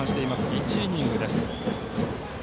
１イニングです。